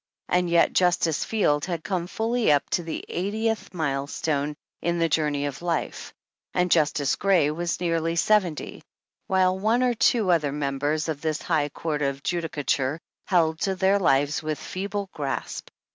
And yet Justice Field had come fully up to the eightieth milestone in the journey of life and Justice Gray was nearly seventy, while one or two other members of this High Court of Judicature held to their lives with feeble grasp.